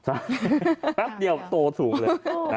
ใช่แป๊บเดียวโตสูงเลย